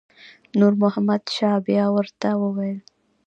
نور محمد شاه بیا ورته وویل.